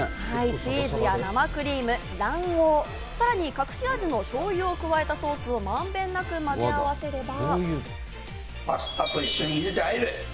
チーズや生クリーム、卵黄、さらに隠し味のしょうゆを加えたソースを満遍なくまぜ合わせれば。